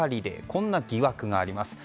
こんな疑惑があります。